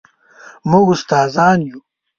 موږ استادان یو